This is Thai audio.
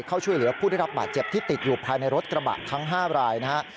เข้าช่วยเหลือผู้ได้รับบาดเจ็บที่ติดอยู่ภายในรถกระบะทั้ง๕รายนะครับ